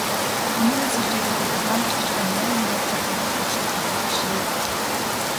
Нийгмийн сүлжээ гэдэг долоон булчирхай, найман найлзуурхайгаа тоочдог газар биш ээ.